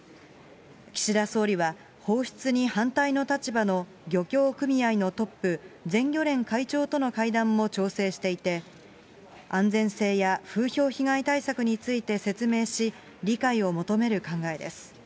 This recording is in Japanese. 岸田総理は、放出に反対の立場の漁業組合のトップ、全漁連会長との会談も調整していて、安全性や風評被害対策について説明し、理解を求める考えです。